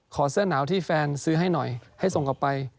เสื้อหนาวที่แฟนซื้อให้หน่อยให้ส่งกลับไป